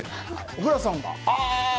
小倉さんは？